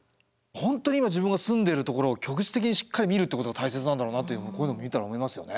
本当に今自分が住んでるところを局地的にしっかり見るってことが大切なんだろうなっていうのこういうの見たら思いますよね。